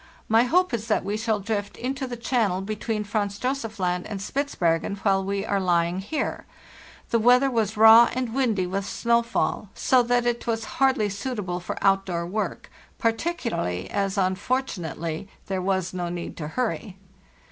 My hope is that we shall drift into the channel between Franz Josef Land and Spitzbergen while we are lying here. The weather was raw and windy with snowfall, so that it was hardly suitable for outdoor work, particularly as, unfortunately, there was no need to hurry.